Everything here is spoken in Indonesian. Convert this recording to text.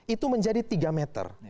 itu menjadi tiga meter